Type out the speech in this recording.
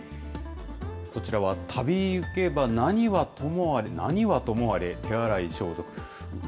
こちらは旅ゆけば、何はともあれ、何はともあれ、手洗い・消毒。